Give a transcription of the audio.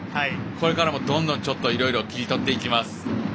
これからも、どんどんいろいろ切り取っていきます。